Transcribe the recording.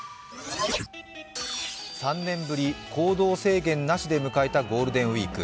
３年ぶり、行動制限なしで迎えたゴールデンウイーク。